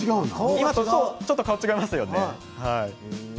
今とは、ちょっと顔が違いますね。